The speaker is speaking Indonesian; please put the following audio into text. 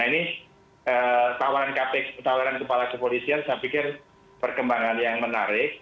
nah ini tawaran kepala kepolisian saya pikir perkembangan yang menarik